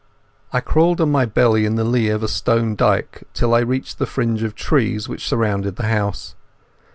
I crawled on my belly in the lee of a stone dyke till I reached the fringe of trees which surrounded the house.